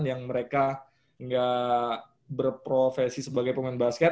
yang mereka nggak berprofesi sebagai pemain basket